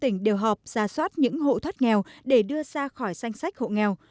tỉnh đều họp ra soát những hộ thoát nghèo để đưa ra khỏi danh sách hộ nghèo